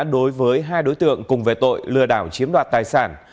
đối với hai đối tượng cùng về tội lừa đảo chiếm đoạt tài sản